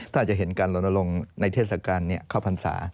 ถ้าจะเห็นการลดลงในเทศการอ่ะครับเพราะเข้าพรรณฑา